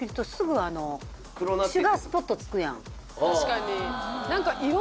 確かに。